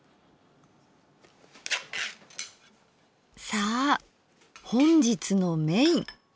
さあ本日のメイン。